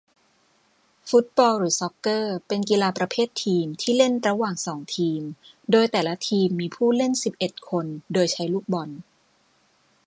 ฟุตบอล หรือ ซอกเกอร์ เป็นกีฬาประเภททีมที่เล่นระหว่างสองทีมโดยแต่ละทีมมีผู้เล่นสิบเอ็ดคน โดยใช้ลูกบอล